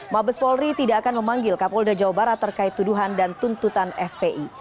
mabes polri tidak akan memanggil kapolda jawa barat terkait tuduhan dan tuntutan fpi